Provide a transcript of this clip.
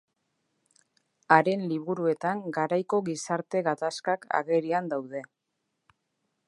Haren liburuetan garaiko gizarte gatazkak agerian daude.